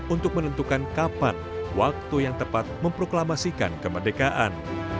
untuk menentukan kapan waktu yang tepat memproklamasikan kemerdekaan